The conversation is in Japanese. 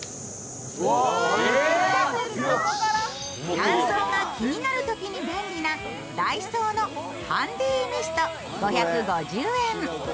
乾燥が気になるときに便利なダイソーのハンディミスト５５０円。